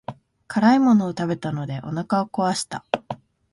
辛いものを食べたのでお腹を壊した。